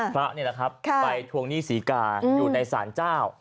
พระนี่แหละครับไปทวงหนี้ศรีกาอยู่ในศาลเจ้า